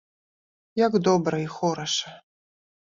Як добра і хораша!